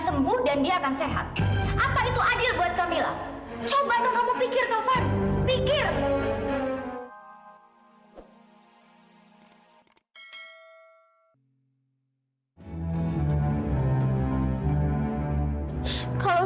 sembuh dan dia akan sehat apa itu adil buat camilla coba kamu pikirkan fadli pikir kalau